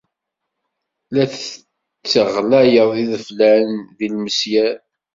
La d-tteɣlayen ideflan d ilmesyar.